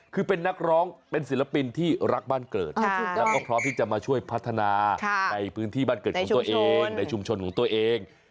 คือเป็นนักร้องเป็นศิลปินที่รักบ้านเกิดแล้วก็พร้อมที่จะมาช่วยพัฒนาในพื้นที่บ้านเกิดของตัวเองในชุมชนของตัวเอง